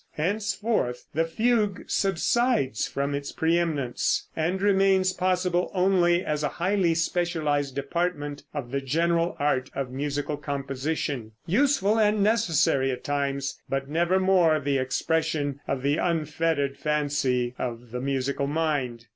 Henceforth the fugue subsides from its pre eminence, and remains possible only as a highly specialized department of the general art of musical composition, useful and necessary at times, but nevermore the expression of the unfettered fancy of the musical mind.